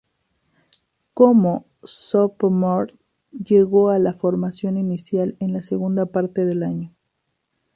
Como sophomore, llegó a la formación inicial en la segunda parte del año.